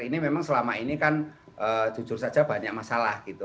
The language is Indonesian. ini memang selama ini kan jujur saja banyak masalah gitu